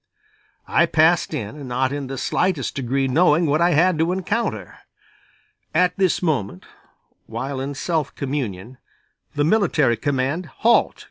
I passed in, not in the slightest degree knowing what I had to encounter. At this moment, while in self communion, the military command: "Halt!"